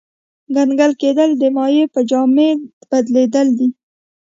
کنګل کېدل د مایع په جامد بدلیدل دي.